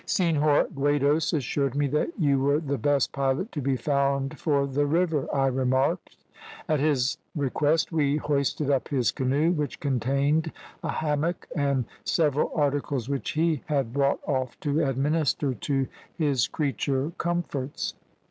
"`Senhor Guedes assured me that you were the best pilot to be found for the river,' I remarked. At his request we hoisted up his canoe, which contained a hammock and several articles which he had brought off to administer to his creature comforts.